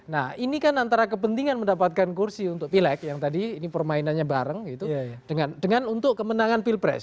nah ini kan antara kepentingan mendapatkan kursi untuk pileg yang tadi ini permainannya bareng gitu dengan untuk kemenangan pilpres